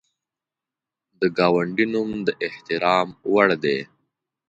د ګاونډي نوم د احترام وړ دی